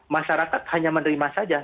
masyarakat hanya menerima saja